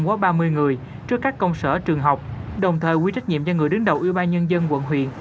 qua ba mươi người trước các công sở trường học đồng thời quy trách nhiệm cho người đứng đầu ubnd quận huyện